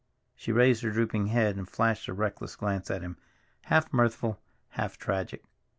She raised her drooping head and flashed a reckless glance at him, half mirthful, half tragic.